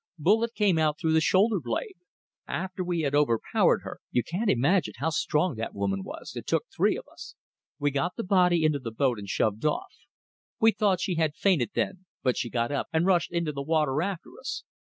Bullet came out through the shoulder blade. After we had overpowered her you can't imagine how strong that woman was; it took three of us we got the body into the boat and shoved off. We thought she had fainted then, but she got up and rushed into the water after us.